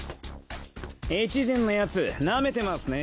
越前のヤツなめてますね。